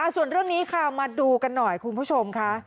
ส่วนเรื่องนี้ค่ะมาดูกันหน่อยคุณผู้ชมค่ะ